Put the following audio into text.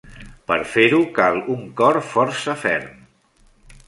Per fer-ho cal un cor força ferm.